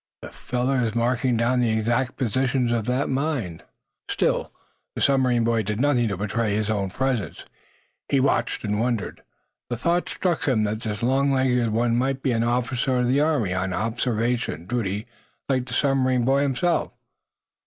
"The fellow is marking down the exact position of that mine!" Still, the submarine boy did nothing to betray his own presence. He watched and wondered. The thought struck him that this long legged one might be an officer of the Army, on observation duty like the submarine boy himself.